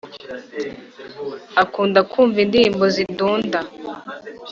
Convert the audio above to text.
akunda kumva indirimbo zidunda